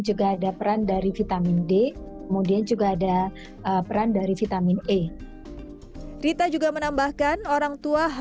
juga ada peran dari vitamin d kemudian juga ada peran dari vitamin e rita juga menambahkan orangtua